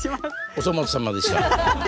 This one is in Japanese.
お粗末さまでした。